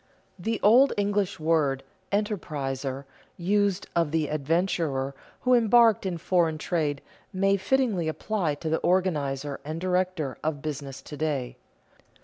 The old English word "enterpriser," used of the "adventurer" who embarked in foreign trade, may fittingly apply to the organizer and director of business to day.